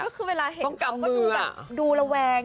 ก็คือเวลาเห็นเก่าก็ดูแบบดูระแวง